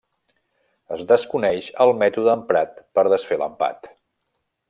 Es desconeix el mètode emprat per desfer l'empat.